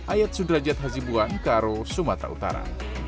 ayat sudrajat hazibuwa nekaro sumatera utara